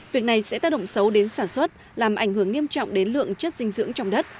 việc này sẽ tác động xấu đến sản xuất làm ảnh hưởng nghiêm trọng đến lượng chất dinh dưỡng trong đất